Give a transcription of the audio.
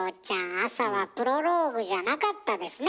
朝はプロローグじゃなかったですね。